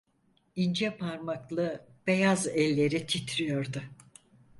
İnce parmaklı beyaz elleri titriyordu.